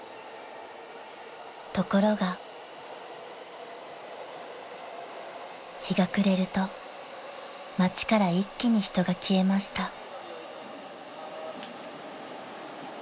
［ところが日が暮れると街から一気に人が消えました］